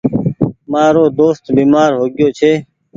مآرو دوست بيمآر هوگيو ڇي۔